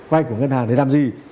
vai của ngân hàng để làm gì